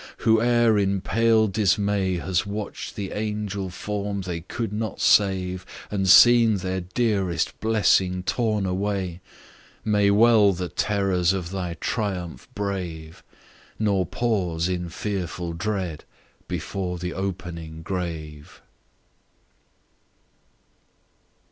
who e'er in pale dismay Has watch'd the angel form they could not save, And seen their dearest blessing torn away, May well the terrors of thy triumph brave, Nor pause in fearful dread before the opening grave!